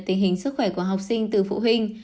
tình hình sức khỏe của học sinh từ phụ huynh